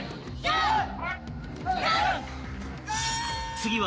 ［次は］